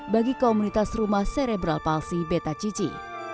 bagi komunitas rumah serebral palsi beta cici